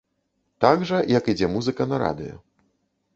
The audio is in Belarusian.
Так жа, як ідзе музыка на радыё.